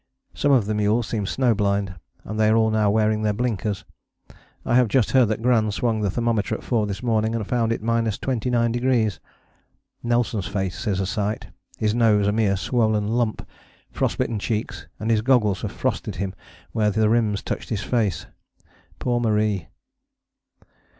Some of the mules seem snow blind, and they are now all wearing their blinkers. I have just heard that Gran swung the thermometer at four this morning and found it 29°. Nelson's face is a sight his nose a mere swollen lump, frost bitten cheeks, and his goggles have frosted him where the rims touched his face. Poor Marie!